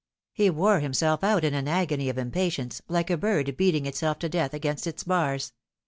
He wore himself out in an agony of impa tience, like a bird beating itself to death against its bars.